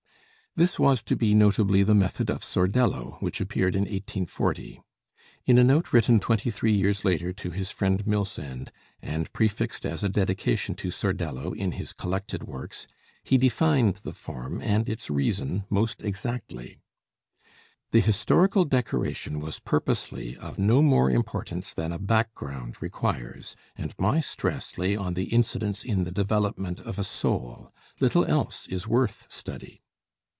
This was to be notably the method of 'Sordello,' which appeared in 1840. In a note written twenty three years later to his friend Milsand, and prefixed as a dedication to 'Sordello' in his collected works, he defined the form and its reason most exactly: "The historical decoration was purposely of no more importance than a background requires, and my stress lay on the incidents in the development of a soul; little else is worth study."